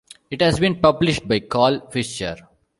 It has been published by Carl Fischer.